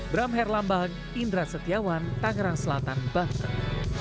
bramher lambang indra setiawan tangerang selatan bangkok